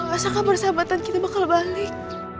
asalkah persahabatan kita bakal balik